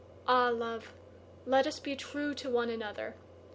Ah, love, let us be trueTo one another!